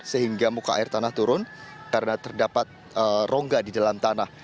sehingga muka air tanah turun karena terdapat rongga di dalam tanah